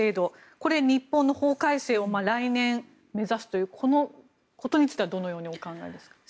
これは日本の法改正を来年目指すというこのことについてはどう考えますか？